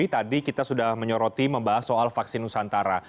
tadi kita sudah menyoroti membahas soal vaksin nusantara